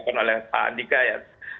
pada andika ya